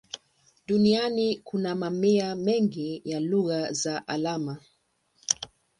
Duniani kuna mamia mengi ya lugha za alama.